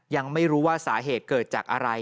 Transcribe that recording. ยังไม่รู้ว่าสาเหตุเกิดจากอะไร